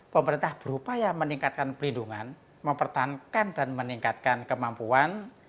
pemerintah berupaya meningkatkan pelindungan mempertahankan dan meningkatkan kemampuan